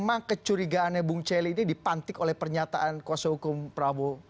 memang kecurigaannya bung celi ini dipantik oleh pernyataan kuasa hukum prabowo